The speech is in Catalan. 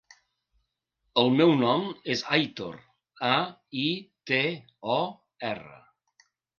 El meu nom és Aitor: a, i, te, o, erra.